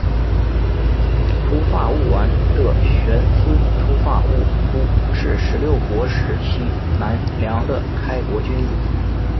秃发务丸的玄孙秃发乌孤是十六国时期南凉的开国君主。